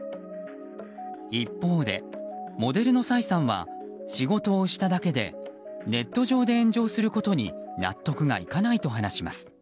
一方で、モデルのサイさんは仕事をしただけでネット上で炎上することに納得がいかないと話します。